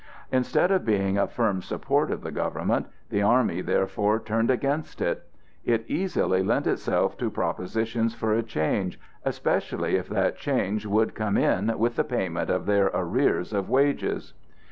Instead of being a firm support of the government, the army therefore turned against it. It easily lent itself to propositions for a change, especially if that change would come in with the payment of their arrears of wages.